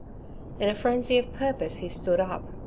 In a frenzy of purpose he stood up.